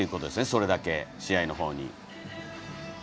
それだけ試合の方に。